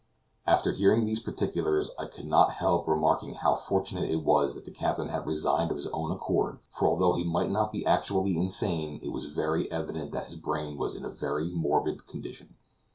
After hearing these particulars, I could not help remarking how fortunate it was that the captain had resigned of his own accord, for although he might not be actually insane, it was very evident that his brain was in a very morbid condition.